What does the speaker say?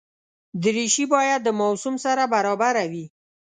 دریشي باید د موسم سره برابره وي.